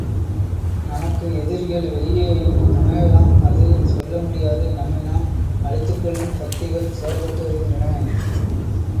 நமக்கு எதிரிகள் வெளியேயும் அமையலாம் அது சொல்லமுடியாது நம்மை நாம் அழித்துக் கொள்ளும் சக்திகள் செயல்பட்டுவருகின்றன.